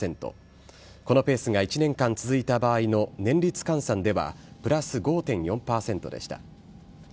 このペースが１年間続いた場合の年率換算ではプラス５．４％でした。